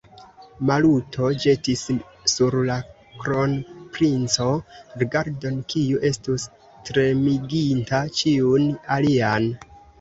Maluto ĵetis sur la kronprincon rigardon, kiu estus tremiginta ĉiun alian.